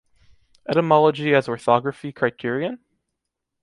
Etymology as Orthography Criterion?